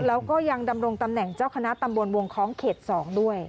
แล้วก็ยังดำรงตำแหน่งเจ้าคณะตำบลวงคล้องเขต๒ด้วย